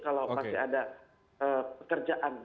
kalau masih ada pekerjaan